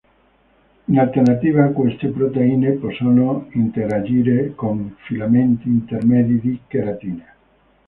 In alternativa, queste proteine possono interagire con filamenti intermedi di cheratina.